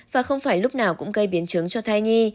và không phải lúc nào cũng gây biến chứng cho thai nhi